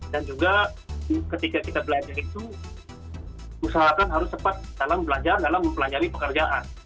dan juga ketika kita belajar itu usahakan harus cepat dalam belajar dalam mempelajari pekerjaan